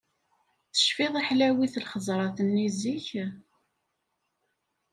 Tefciḍ i ḥlawit lxeẓrat-nni zik?!